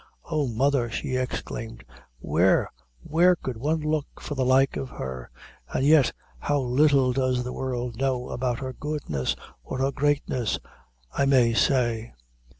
Oh, mother!" she exclaimed, "where where could one look for the like of her! an' yet how little does the world know about her goodness, or her greatness, I may say.